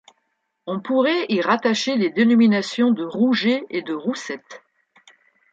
On pourrait y rattacher les dénominations de rouget et de roussette.